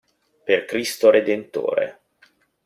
Per Cristo redentore.